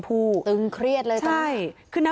ตึงเครียดเลย